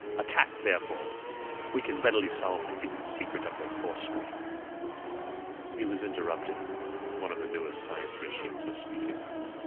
"Attack therefore!" "We can readily solve the hidden secret of their force screen." He was interrupted. One of the newest science machines was speaking.